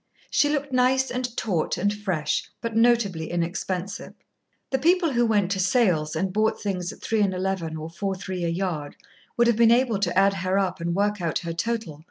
She looked nice and taut and fresh, but notably inexpensive. The people who went to sales and bought things at three and eleven or "four three" a yard would have been able add her up and work out her total.